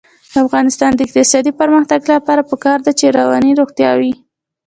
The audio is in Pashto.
د افغانستان د اقتصادي پرمختګ لپاره پکار ده چې رواني روغتیا وي.